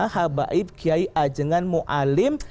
habaib kiai ajangan mualim